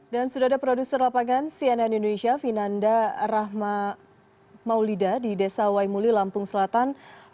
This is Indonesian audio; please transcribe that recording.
sudah ada produser lapangan cnn indonesia vinanda rahma maulida di desa waimuli lampung selatan